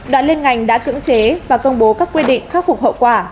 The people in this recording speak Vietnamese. đoạn liên ngành đã cứng chế và công bố các quy định khắc phục hậu quả